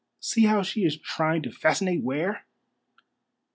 See how she is trying to fascinate Ware!"